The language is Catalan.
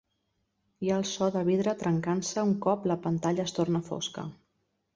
Hi ha el so de vidre trencant-se un cop la pantalla es torna fosca.